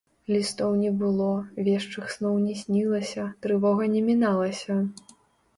Лістоў не было, вешчых сноў не снілася, трывога не міналася.